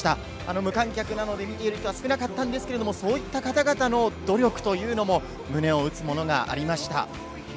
無観客なので見ている人は少なかったんですが、そういった方々の努力というのも胸を打つものがありました。